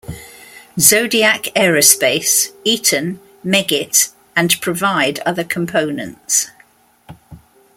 Zodiac Aerospace, Eaton, Meggitt and provide other components.